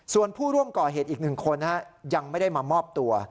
ส่วนผู้ร่วมก่อเหตุอีก๑คนยังไม่ได้มามอบตัว